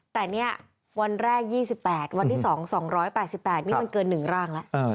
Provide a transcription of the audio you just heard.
แต่เนี่ยวันแรก๒๘วันที่๒๒๘๘นี่มันเกิน๑ร่างแล้ว